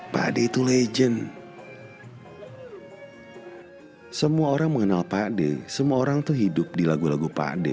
pade itu legend semua orang mengenal pakde semua orang tuh hidup di lagu lagu pakde